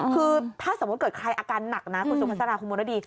คือถ้าสมมุติเกิดใครอาการหนักนะคุณสุภาษาคุณมรดี